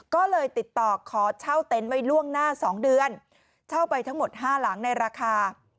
ก็เลยติดต่อขอเช่าเต็นต์ไว้ล่วงหน้า๒เดือนเช่าไปทั้งหมดห้าหลังในราคา